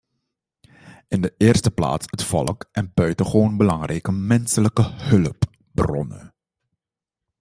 In de eerste plaats het volk en buitengewoon belangrijke menselijke hulpbronnen.